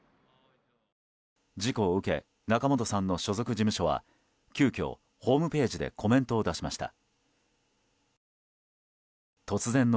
事故を受け仲本さんの所属事務所は急きょ、ホームページでコメントを出しました。